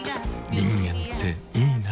人間っていいナ。